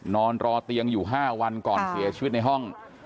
นอนรอเตียงอยู่๕วันก่อนเสียชีวิตในห้อง